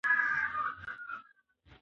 د اماراتو الوتکه ډېره عصري وه.